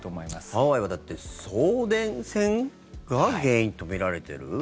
ハワイは送電線が原因とみられている。